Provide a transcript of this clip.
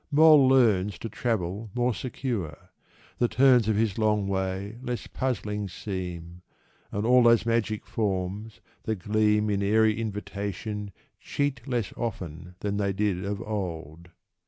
Mole learns To travel more secure; the turns Of his long way less puzzling seem, And all those magic forms that gleam In airy invitation cheat Less often than they did of old.